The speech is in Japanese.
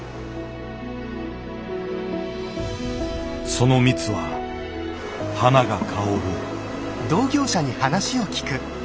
その蜜は花が香る。